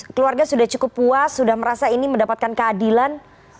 keluarga sudah cukup puas sudah merasa ini mendapatkan keadilan